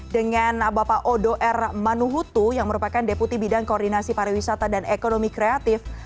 dengan bapak odo r manuhutu yang merupakan deputi bidang koordinasi pariwisata dan ekonomi kreatif